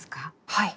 はい。